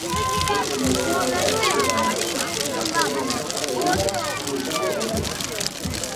Beste nobedade bat ere badago, atseden egunak hiru izango baitira.